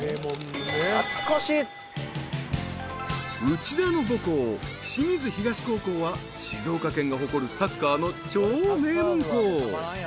［内田の母校清水東高校は静岡県が誇るサッカーの超名門校］